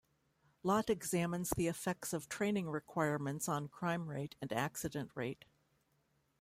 Lott examines the effects of training requirements on crime rate and accident rate.